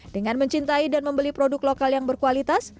dengan mencintai dan membeli produk lokal yang berkualitas